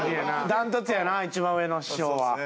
断トツやな一番上の師匠は。